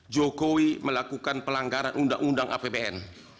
jokowi melakukan pelanggaran undang undang apbn